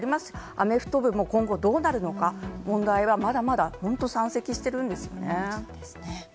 アメフト部も今後どうなるのか、問題はまだまだ本当に山積しているんですよね。